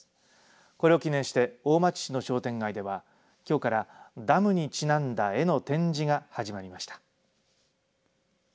これを記念して大町市の商店街ではきょうからダムにちなんだ絵の展示が始まりました。